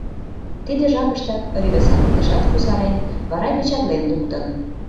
Тиде жапыштак Рӱдӧ савыктышат кусарен, вара печатлен луктын.